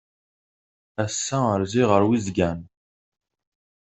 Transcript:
Ass-a rziɣ ɣer Wizgan.